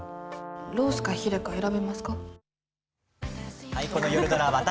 ロースかヒレか選べますか？